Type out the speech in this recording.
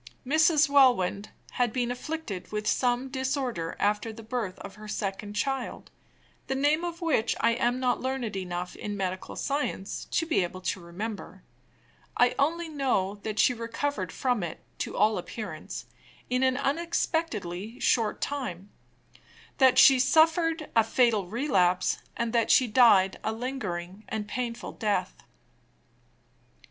Mrs. Welwyn had been afflicted with some disorder after the birth of her second child, the name of which I am not learned enough in medical science to be able to remember. I only know that she recovered from it, to all appearance, in an unexpectedly short time; that she suffered a fatal relapse, and that she died a lingering and a painful death.